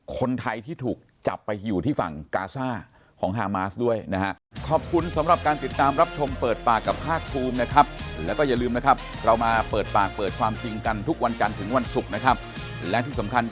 คนไทยที่ถูกจับไปอยู่ที่ฝั่งกาซ่าของฮามาสด้วยนะฮะ